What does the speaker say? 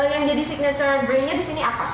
yang jadi signature brainnya di sini apa